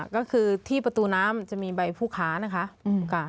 ก็คือที่ประตูน้ำจะมีใบผู้ค้านะคะ